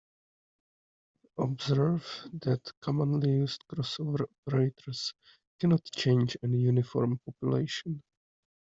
Observe that commonly used crossover operators cannot change any uniform population.